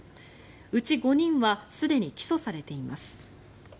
うち５人はすでに起訴されています。